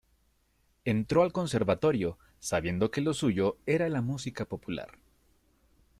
Entró al conservatorio sabiendo que lo suyo era la música popular.